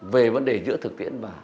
về vấn đề giữa thực tiễn và